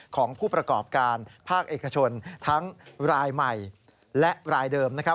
ของผู้ประกอบการภาคเอกชนทั้งรายใหม่และรายเดิม